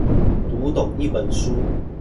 讀懂一本書